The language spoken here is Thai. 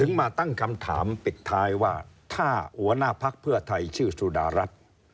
มาตั้งคำถามปิดท้ายว่าถ้าหัวหน้าพักเพื่อไทยชื่อสุดารัฐ